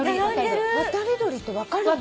渡り鳥って分かるんだ。